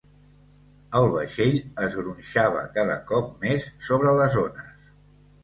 El vaixell es gronxava cada cop més sobre les ones.